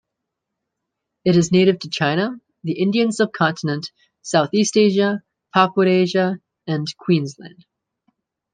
It is native to China, the Indian Subcontinent, Southeast Asia, Papuasia, and Queensland.